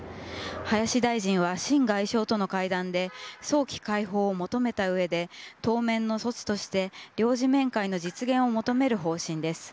林大臣は秦外相との会談で早期解放を求めた上で当面の措置として領事面会の実現を求める方針です。